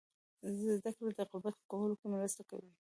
زده کړه د غربت په کمولو کې مرسته کوي.